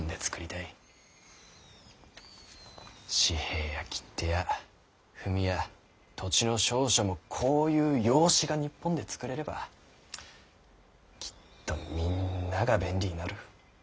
紙幣や切手や文や土地の証書もこういう洋紙が日本で作れればきっとみんなが便利になる。